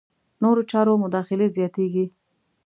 نورو چارو مداخلې زیاتېږي.